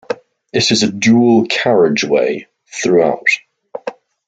It is a dual carriageway throughout.